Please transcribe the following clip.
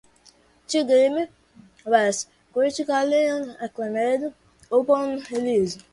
The game was critically acclaimed upon release.